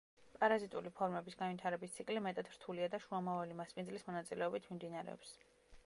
პარაზიტული ფორმების განვითარების ციკლი მეტად რთულია და შუამავალი მასპინძლის მონაწილეობით მიმდინარეობს.